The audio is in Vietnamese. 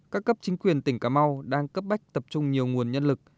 các cấp chính quyền tỉnh cà mau đang cấp bách tập trung nhiều nguồn nhân lực